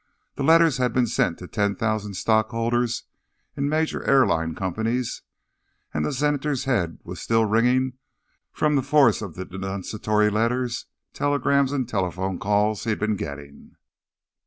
The letter had been sent to ten thousand stockholders in major airline companies, and the Senator's head was still ringing from the force of the denunciatory letters, telegrams and telephone calls he'd been getting.